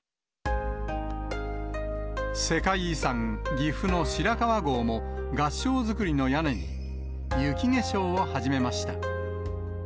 世界遺産、岐阜の白川郷も、合掌造りの屋根に雪化粧を始めました。